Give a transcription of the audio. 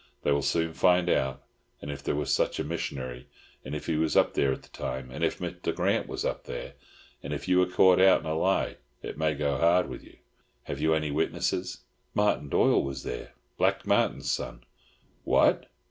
They will soon find out if there was such a missionary, and if he was up there at the time, and if Mr. Grant was up there; and if you are caught out in a lie it may go hard with you. Have you any witnesses?" "Martin Doyle was there, Black Martin's son." "What!